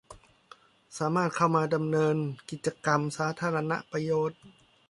สามารถเข้ามาดำเนินกิจกรรมสาธารณประโยชน์